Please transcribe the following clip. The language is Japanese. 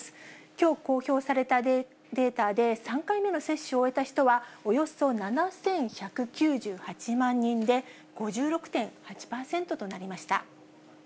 きょう公表されたデータで、３回目の接種を終えた人はおよそ７１９８万人で、５６．８％となりました。